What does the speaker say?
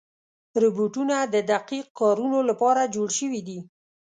روبوټونه د دقیق کارونو لپاره جوړ شوي دي.